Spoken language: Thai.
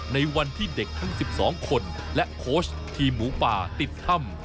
ในวันที่เด็กทั้ง๑๒คนและโค้ชทีมหมูป่าติดถ้ำ